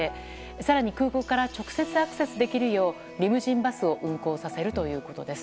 更に、空港から直接アクセスできるようリムジンバスを運行させるということです。